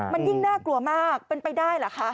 มันยิ่งน่ากลัวมากเป็นไปได้เหรอคะ